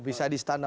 bisa di stana